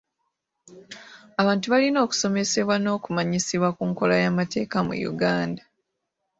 Abantu balina okusomesebwa n'okumanyisibwa ku nkola y'amateeka mu Uganda.